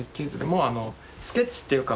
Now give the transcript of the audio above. もうあのスケッチっていうか